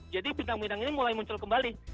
jadi bintang bintang ini mulai muncul kembali